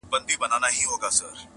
په دښتونو کي چي ګرځې وږی پلی-